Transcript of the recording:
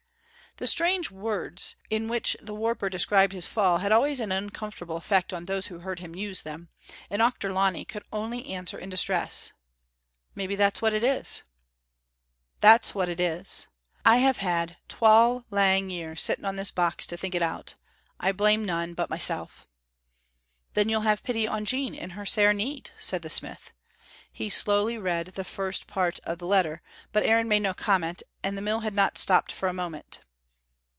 The strange words in which the warper described his fall had always an uncomfortable effect on those who heard him use them, and Auchterlonie could only answer in distress, "Maybe that's what it is." "That's what it is. I have had twal lang years sitting on this box to think it out. I blame none but mysel'." "Then you'll have pity on Jean in her sair need," said the smith. He read slowly the first part of the letter, but Aaron made no comment, and the mill had not stopped for a moment.